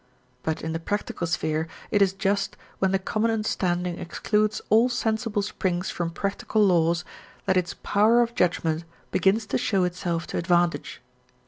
But in the practical sphere it is just when the common understanding excludes all sensible springs from practical laws that its power of judgement begins to show itself to advantage.